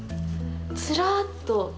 ずらーっと。